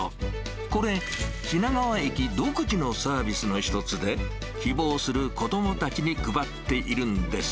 これ、品川駅独自のサービスの一つで、希望する子どもたちに配っているんです。